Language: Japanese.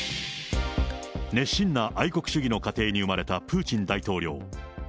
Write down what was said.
熱心な愛国主義の家庭に生まれたプーチン大統領。